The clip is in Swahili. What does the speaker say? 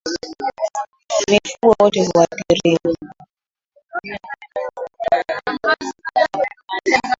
Mifugo wote huathiriwa